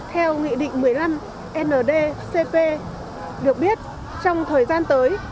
theo nghị định một mươi năm nd cp được biết trong thời gian tới